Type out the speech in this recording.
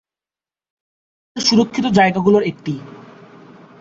এটি রাশিয়ার সুরক্ষিত জায়গা গুলোর একটি।